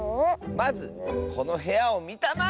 まずこのへやをみたまえ！